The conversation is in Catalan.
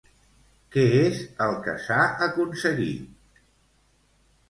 Què és el que s'ha aconseguit?